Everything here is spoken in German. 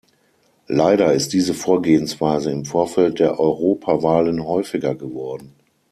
Leider ist diese Vorgehensweise im Vorfeld der Europawahlen häufiger geworden.